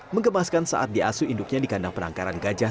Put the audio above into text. mengemaskan saat diasuh induknya di kandang penangkaran gajah